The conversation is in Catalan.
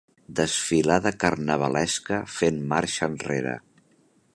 Desfilada carnavalesca fent marxa enrere.